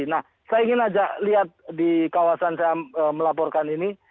nah saya ingin ajak lihat di kawasan saya melaporkan ini